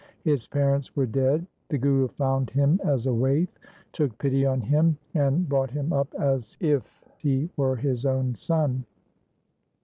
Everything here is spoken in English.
His parents were dead. The Guru found him as a waif, took pity on him, and brought him up as if he were his own son.